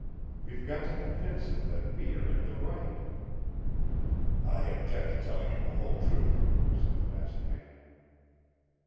We've got to convince him that we are in the right." "I object to telling him the whole truth," said the masked man.